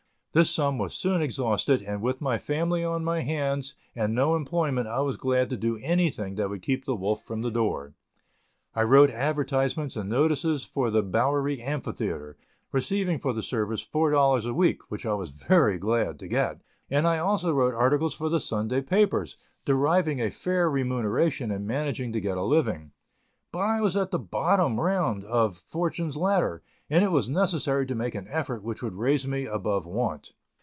This sum was soon exhausted, and with my family on my hands and no employment I was glad to do anything that would keep the wolf from the door. I wrote advertisements and notices for the Bowery Amphitheatre, receiving for the service four dollars a week, which I was very glad to get, and I also wrote articles for the Sunday papers, deriving a fair remuneration and managing to get a living. But I was at the bottom round of fortune's ladder, and it was necessary to make an effort which would raise me above want.